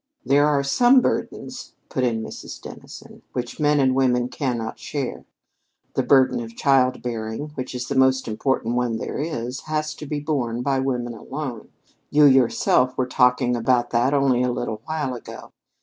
"There are some burdens," put in Mrs. Dennison, "which men and women cannot share. The burden of child bearing, which is the most important one there is, has to be borne by women alone. You yourself were talking about that only a little while ago.